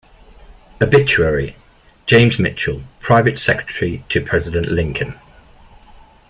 Obituary: James Mitchell, Private Secretary to President Lincoln.